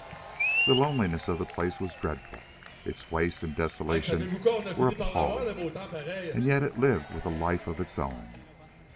The loneliness of the place was dreadful, its waste and desolation were appalling. And yet it lived with a life of its own.